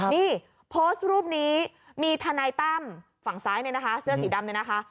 นี่โพสต์รูปนี้มีธนายตั้มฝั่งซ้ายเสื้อสีดำ